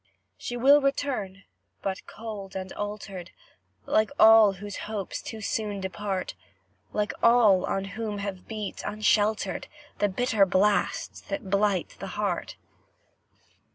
She will return, but cold and altered, Like all whose hopes too soon depart; Like all on whom have beat, unsheltered, The bitter blasts that blight the heart.